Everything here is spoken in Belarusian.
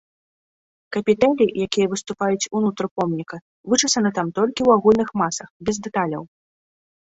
Капітэлі, якія выступаюць ўнутр помніка, вычасаны там толькі ў агульных масах, без дэталяў.